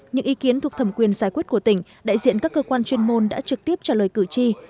những ý kiến thuộc thẩm quyền giải quyết của tỉnh đại diện các cơ quan chuyên môn đã trực tiếp trả lời cử tri